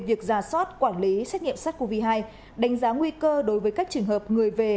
việc giả soát quản lý xét nghiệm sars cov hai đánh giá nguy cơ đối với các trường hợp người về